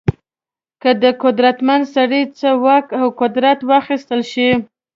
که د قدرتمن سړي څخه واک او قدرت واخیستل شي.